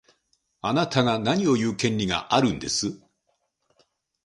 あなたが何を言う権利があるんです。